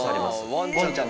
ワンちゃん？